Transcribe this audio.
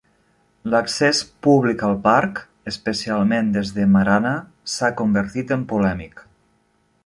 L"accés públic al parc, especialment des de Marana, s"ha convertit en polèmic.